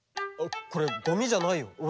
これゴミじゃないよ。